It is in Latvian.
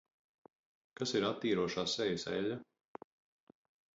Kas ir attīrošā sejas eļļa?